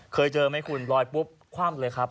เคยเจอไหมคุณลอยปุ๊บคว่ำเลยครับ